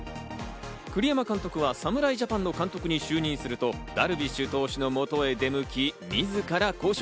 栗山監督は侍ジャパンの監督に就任するとダルビッシュ投手の元へ出向き、自ら交渉。